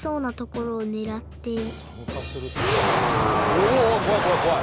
お怖い怖い怖い！